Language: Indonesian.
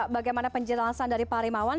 bagaimana penjelasan dari pak rimawan